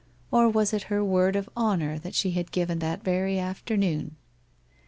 Or was it her word of honour that she had given that very afternoon?